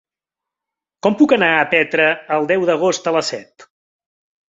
Com puc anar a Petra el deu d'agost a les set?